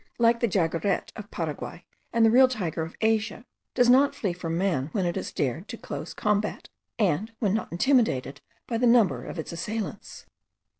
like the jaguarete of Paraguay, and the real tiger of Asia, does not flee from man when it is dared to close combat, and when not intimidated by the number of its assailants.